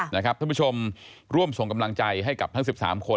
ท่านผู้ชมร่วมส่งกำลังใจให้กับทั้ง๑๓คน